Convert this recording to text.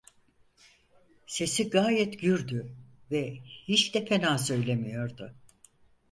Sesi gayet gürdü ve hiç de fena söylemiyordu.